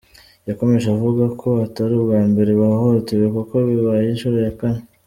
Yakomerje avuga ko atari ubwa mbere ahohotewe kuko bibaye inshuro ya kane.